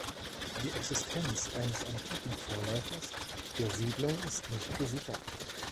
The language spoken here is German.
Die Existenz eines antiken Vorläufers der Siedlung ist nicht gesichert.